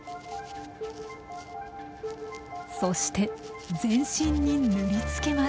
そして全身に塗りつけます。